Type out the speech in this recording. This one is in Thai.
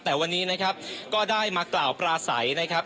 แต่วันนี้นะครับก็ได้มากล่าวปราศัยนะครับ